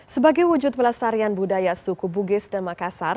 sebagai wujud pelestarian budaya suku bugis dan makassar